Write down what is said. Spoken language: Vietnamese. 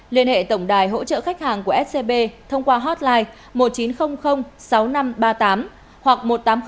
liên hệ tổng đài hỗ trợ khách hàng của scb thông qua hotline một nghìn chín trăm linh sáu nghìn năm trăm ba mươi tám hoặc một nghìn tám trăm linh năm trăm bốn mươi năm nghìn bốn trăm ba mươi tám